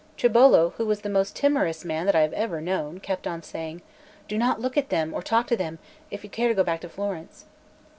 Tribolo, who was the most timorous man that I have ever known, kept on saying: "Do not look at them or talk to them, if you care to go back to Florence."